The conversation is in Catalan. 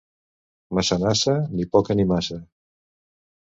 Massanassa, ni poca, ni massa.